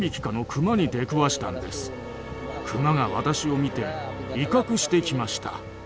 クマが私を見て威嚇してきました。